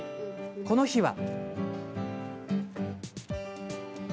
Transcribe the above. この日は。